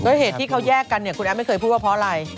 เหตุที่เขาแยกกันเนี่ยคุณแอฟไม่เคยพูดว่าเพราะอะไร